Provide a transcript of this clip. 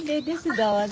どうぞ。